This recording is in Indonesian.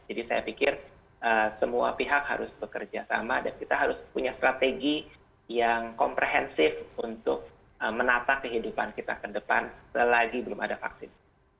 jadi saya pikir semua pihak harus bekerja sama dan kita harus punya strategi yang komprehensif untuk menata kehidupan kita ke depan selagi belum ada vaksin